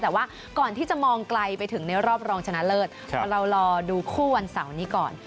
แต่ว่าก่อนที่จะมองไกลไปถึงในรอบรองชนะเลิศเรารอดูคู่วันเสาร์นี้ก่อน